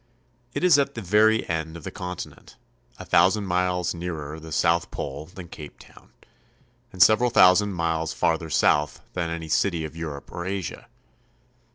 It is at the very ejid of the continent, a thousand miles nearer the south pole than Cape Town, and several thousand miles farther south than any city of Europe or Asia.